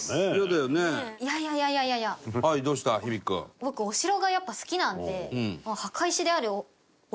僕お城がやっぱ好きなんで墓石であれ。